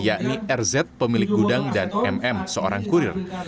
yakni rz pemilik gudang dan mm seorang kurir